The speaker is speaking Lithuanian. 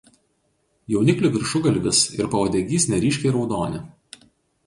Jauniklių viršugalvis ir pauodegys neryškiai raudoni.